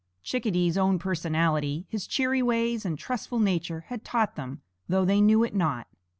Chickadee's own personality, his cheery ways and trustful nature had taught them, though they knew it not.